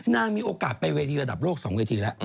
มีโอกาสไปเวทีระดับโลก๒เวทีแล้ว